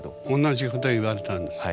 同じこと言われたんですか？